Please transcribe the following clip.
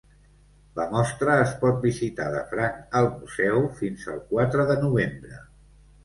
La mostra es pot visitar de franc al museu fins al quatre de novembre.